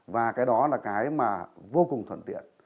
và cái đó là cái mà vô cùng thuận tiện